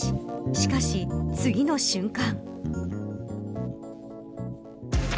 しかし次の瞬間。